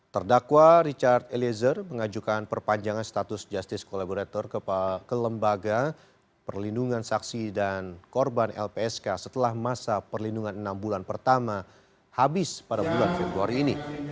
terdakwa richard eliezer mengajukan perpanjangan status justice collaborator ke lembaga perlindungan saksi dan korban lpsk setelah masa perlindungan enam bulan pertama habis pada bulan februari ini